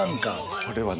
これはね